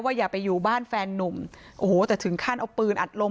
อย่าไปอยู่บ้านแฟนนุ่มโอ้โหแต่ถึงขั้นเอาปืนอัดลม